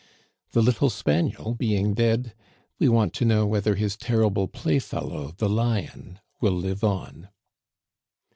The little spaniel being dead, we want to know whether his terrible playfellow the lion will live on.